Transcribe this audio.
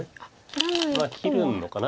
切るのかな。